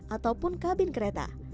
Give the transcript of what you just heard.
ataupun kabin kereta